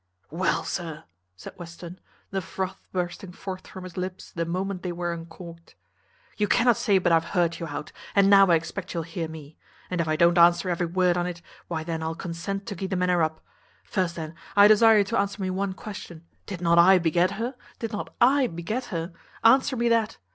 "Well, sir," said Western (the froth bursting forth from his lips the moment they were uncorked), "you cannot say but I have heard you out, and now I expect you'll hear me; and if I don't answer every word on't, why then I'll consent to gee the matter up. First then, I desire you to answer me one question Did not I beget her? did not I beget her? answer me that.